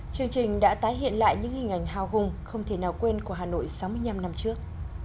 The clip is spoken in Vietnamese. chương trình đã tái hiện lại những hình ảnh hào hùng không thể nào quên của hà nội sáu mươi năm năm trước